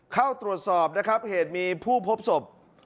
เข้าตรวจสอบนะครับเหตุมีผู้พบศพ